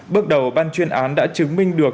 bước đầu ban chuyên án đã chứng minh được